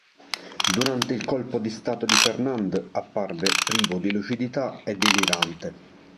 Durante il colpo di Stato di Fernand, appare privo di lucidità e delirante.